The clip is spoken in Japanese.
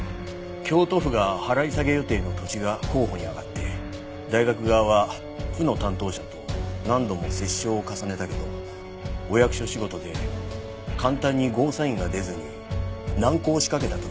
京都府が払い下げ予定の土地が候補に挙がって大学側は府の担当者と何度も折衝を重ねたけどお役所仕事で簡単にゴーサインが出ずに難航しかけた時。